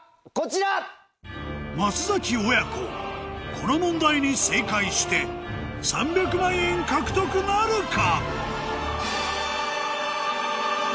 この問題に正解して３００万円獲得なるか？